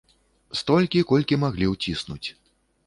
Столькі, колькі маглі ўціснуць.